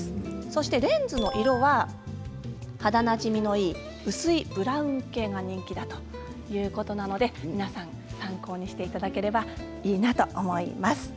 そしてレンズの色は肌なじみのいい薄いブラウン系が人気だということなので皆さん参考にしていただければいいなと思います。